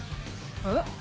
えっ？